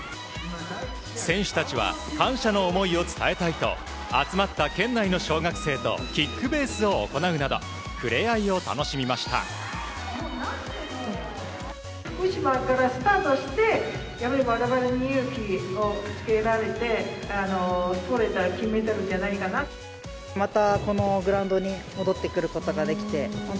選手たちは感謝の思いを伝えたいと集まった県内の小学生とキックベースを行うなど触れ合いを楽しみました。